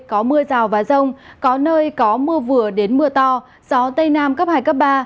có mưa rào và rông có nơi có mưa vừa đến mưa to gió tây nam cấp hai cấp ba